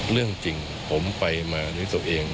เรื่องจริงผมไปมาด้วยตัวเอง